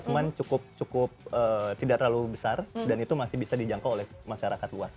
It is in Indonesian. cuma cukup tidak terlalu besar dan itu masih bisa dijangkau oleh masyarakat luas